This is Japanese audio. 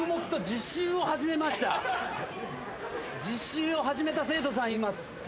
自習を始めた生徒さんいます。